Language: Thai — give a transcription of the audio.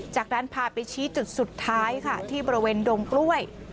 จากนั้นพาไปชี้จุดสุดท้ายค่ะที่บริเวณดงกล้วย